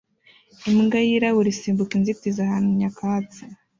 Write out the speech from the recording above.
Imbwa yirabura isimbuka inzitizi ahantu nyakatsi